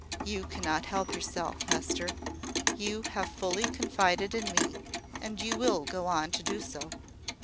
You cannot help yourself, Hester: you have fully confided in me, and you will go on to do so."